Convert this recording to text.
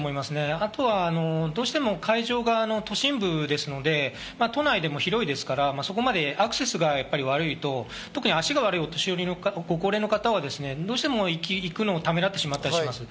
あとは、どうしても会場が都心部ですので、都内でも広いですから、そこまでアクセスが悪いと、特に足が悪いお年寄りの方、高齢の方はどうしても行くのをためらってしまったりします。